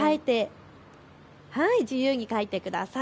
自由に描いてください。